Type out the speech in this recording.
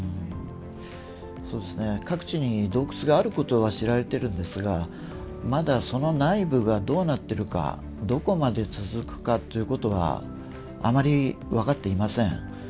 各地に洞窟があることは知られてるんですが、まだその内部がどうなっているか、どこまで続くかということは、あまり分かっていません。